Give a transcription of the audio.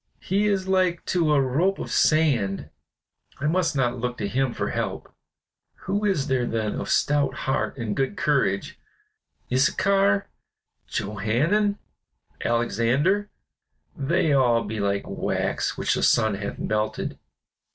"He is like to a rope of sand; I must not look to him for help. Who is there then of stout heart and good courage? Issachar Johanan Alexander? they all be like wax which the sun hath melted.